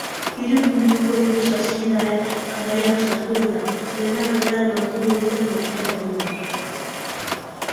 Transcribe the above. Hiru puntuko hiru saskirae jarraian sartu eta lehen aldea lortu dute markagailuan.